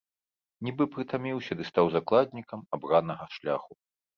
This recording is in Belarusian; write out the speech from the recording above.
Нібы прытаміўся ды стаў закладнікам абранага шляху.